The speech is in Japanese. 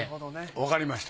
わかりました